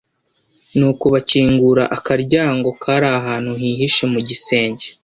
nuko bakingura akaryango kari ahantu hihishe mu gisenge